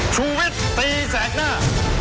ชุวิตตีแสงหน้า